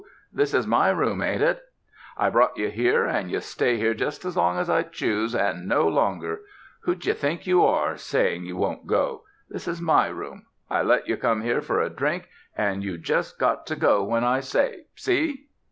This is my room, ain't it? I brought you here, and you stay here just as long as I choose, and no longer. Who d'you think you are, saying you won't go? This is my room. I let you come here for a drink, and you just got to go when I say. See?"